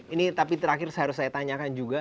ini tapi terakhir harus saya tanyakan juga